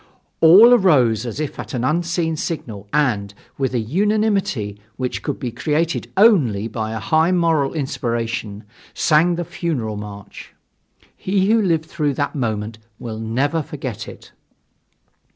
All arose as if at an unseen signal and, with a unanimity which could be created only by a high moral inspiration, sang the Funeral March. He who lived through that moment will never forget it.